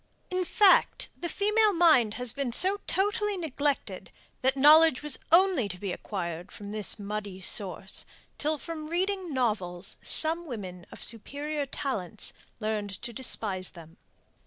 In fact, the female mind has been so totally neglected, that knowledge was only to be acquired from this muddy source, till from reading novels some women of superior talents learned to despise them.